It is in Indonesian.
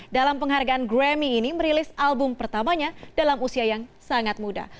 dalam penghargaan grammy ini merilis album pertamanya dalam usia yang sangat muda